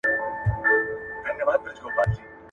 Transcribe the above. ټول اقتصاد پوهان په خپلو برخو کي مهم دي.